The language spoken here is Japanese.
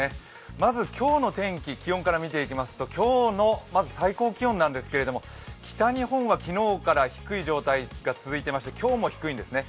まず今日の天気、気温から見ていきますと、今日の最高気温なんですけれども北日本は昨日から低い状態が続いていまして今日も低いんですね。